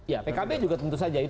ya pkb juga tentu saja